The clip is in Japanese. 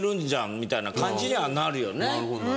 みたいな感じにはなるよね。